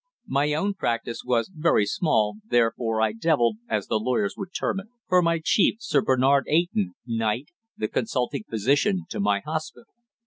My own practice was very small, therefore I devilled, as the lawyers would term it, for my chief, Sir Bernard Eyton, knight, the consulting physician to my hospital.